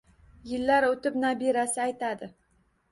Yillar oʻtib, nabirasi aytadi